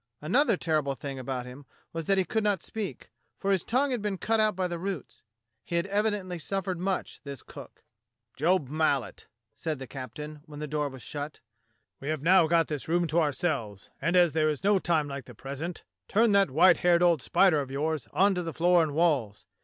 Another terrible thing about him was that he could not speak, for his tongue had been cut out by the roots. He had evidently suffered much, this cook. "Job Mallet," said the captain, when the door was shut, we have now got this room to ourselves, and as 32 A BOTTLE OF ALSACE LORRAINE 33 there is no time like the present, turn that white haired old spider of yours on to the floor and walls.